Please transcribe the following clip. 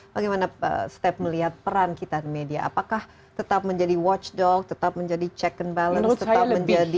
bagaimana step melihat peran kita di media apakah tetap menjadi watchdog tetap menjadi check and balance tetap menjadi